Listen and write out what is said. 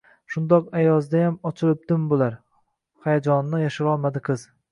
-Shundoq ayozdayam ochilibdimi bular? – Hayajonini yashirolmadi qiz.